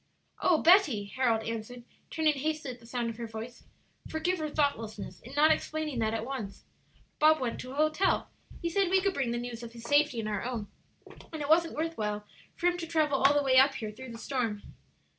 "O Betty," Harold answered, turning hastily at the sound of her voice, "forgive our thoughtlessness in not explaining that at once! Bob went to a hotel; he said we could bring the news of his safety and our own, and it wasn't worth while for him to travel all the way up here through the storm."